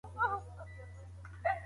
د مجرد سره واده ښايي هغې ته وخت ورنه کړي.